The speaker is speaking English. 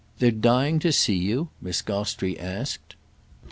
"They're dying to see you?" Miss Gostrey asked.